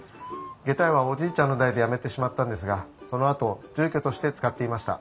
げた屋はおじいちゃんの代でやめてしまったんですがそのあと住居として使っていました。